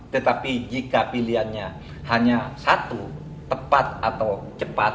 tetapi jika pilihannya hanya satu tepat atau cepat